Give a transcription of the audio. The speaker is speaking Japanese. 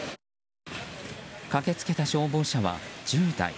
駆けつけた消防車は１０台。